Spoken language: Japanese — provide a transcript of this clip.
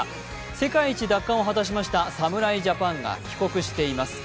世界一奪還を果たしました侍ジャパンが帰国しています。